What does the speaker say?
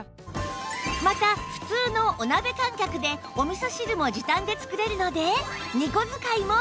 また普通のお鍋感覚でおみそ汁も時短で作れるので